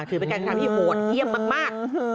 ถือเป็นการกระทำที่โหดเยี่ยมมาก